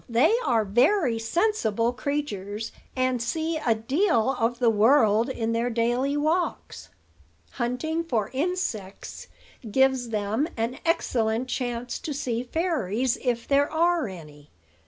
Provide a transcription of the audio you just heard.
they are very sensible creatures, and see a deal of the world in their daily walks. Hunting for insects gives them an excellent chance to see fairies, if there are any.